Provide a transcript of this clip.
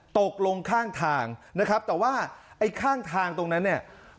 ตกลงข้างทางนะครับแต่ว่าไอ้ข้างทางตรงนั้นเนี่ย